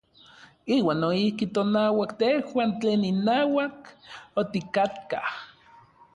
Iuan noijki tonauak tejuan tlen inauak otikatkaj.